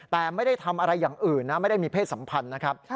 แต่ไม่ได้ทำอะไรอย่างอื่นนะไม่ได้มีเพศสัมพันธ์นะครับ